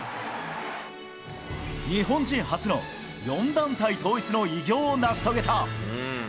日本人初の４団体統一の偉業を成し遂げた。